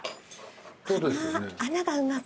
穴がうまく。